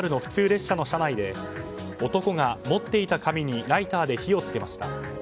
列車の車内で男が持っていた紙にライターで火をつけました。